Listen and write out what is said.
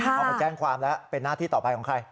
เอาไปแจ้งความแล้วเป็นหน้าที่ต่อไปของใคร